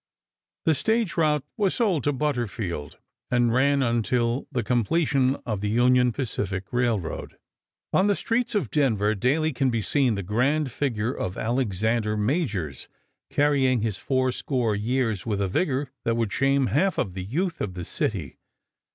The stage route was sold to Butterfield, and ran until the completion of the Union Pacific Railroad. On the streets of Denver daily can be seen the grand figure of Alexander Majors, carrying his four score years with a vigor that would shame half of the youth of the city.